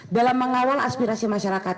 dalam mengawal aspirasi masyarakat